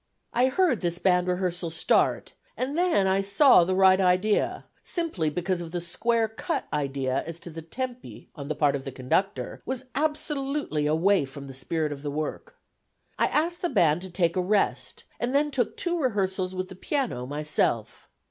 I heard this band rehearsal start, and then I saw that the right idea, simply because of the square cut idea as to the tempi on the part of the conductor was absolutely away from the spirit of the work. I asked the band to take a rest and then took two rehearsals with the piano myself.